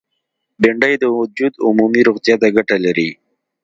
بېنډۍ د وجود عمومي روغتیا ته ګټه لري